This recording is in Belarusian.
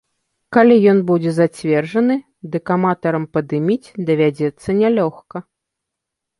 Калі ён будзе зацверджаны, дык аматарам падыміць давядзецца нялёгка.